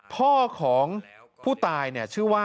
พ่อของผู้ตายชื่อว่า